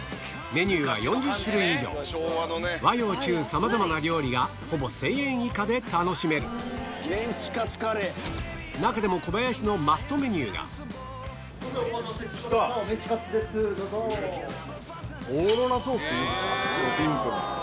メニューは４０種類以上和洋中さまざまな料理がほぼ１０００円以下で楽しめる中でもコバヤシのオーロラソースピンクの。